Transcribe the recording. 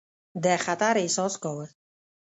د خطر احساس کاوه.